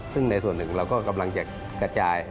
ซึ่งในส่วนหนึ่งเราก็กำลังจะกระจาย